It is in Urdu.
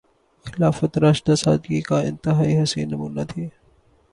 خلافت راشدہ سادگی کا انتہائی حسین نمونہ تھی۔